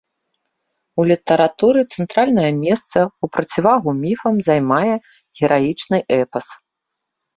У літаратуры цэнтральнае месца ў процівагу міфам займае гераічны эпас.